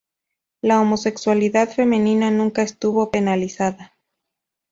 La homosexualidad femenina nunca estuvo penalizada.